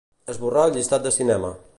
Esborrar el llistat de cinema.